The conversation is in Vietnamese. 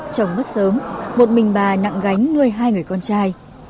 chồng mất sớm một mình bà nặng gánh nuôi hai người con trai